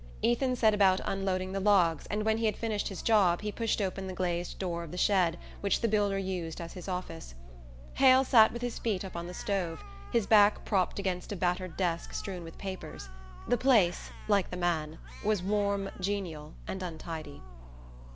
Ethan set about unloading the logs and when he had finished his job he pushed open the glazed door of the shed which the builder used as his office. Hale sat with his feet up on the stove, his back propped against a battered desk strewn with papers: the place, like the man, was warm, genial and untidy.